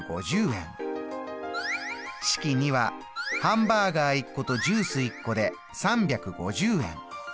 式２はハンバーガー１個とジュース１個で３５０円。